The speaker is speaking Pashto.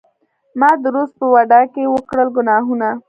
ما د روس په واډکې وکړل ګناهونه